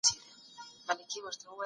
اقتصادي وده تر اقتصادي رفاه متفاوته ده.